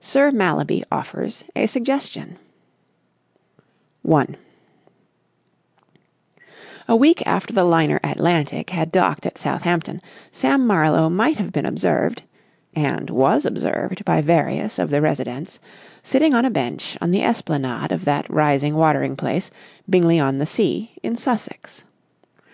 SIR MALLABY OFFERS A SUGGESTION § 1 A week after the liner "Atlantic" had docked at Southampton Sam Marlowe might have been observed—and was observed by various of the residents—sitting on a bench on the esplanade of that rising watering place, Bingley on the Sea, in Sussex.